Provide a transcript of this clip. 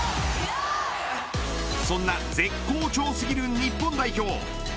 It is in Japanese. そんな絶好調すぎる日本代表。